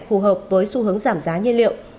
phù hợp với xu hướng giảm giá nhiên liệu